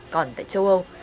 còn tại châu âu